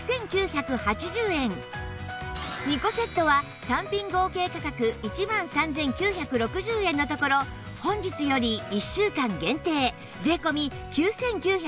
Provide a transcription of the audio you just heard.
２個セットは単品合計価格１万３９６０円のところ本日より１週間限定税込９９８０円です